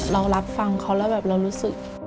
เรารับฟังเขาแล้วแบบเรารู้สึก